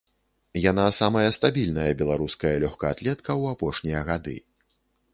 Яна самая стабільная беларуская лёгкаатлетка ў апошнія гады.